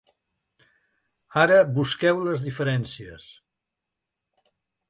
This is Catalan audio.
Ara busqueu les diferències….